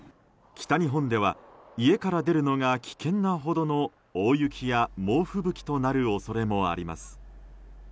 北日本では家から出るのが危険なほどの大雪や猛吹雪となる恐れもあります。